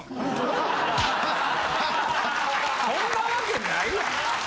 そんなわけないやん！